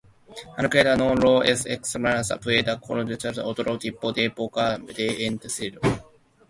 Aunque no lo es exactamente, puede considerarse otro tipo de boca de incendio.